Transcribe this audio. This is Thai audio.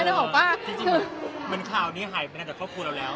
จริงมันคราวนี้หายไปมาจากครอบครูเราแล้ว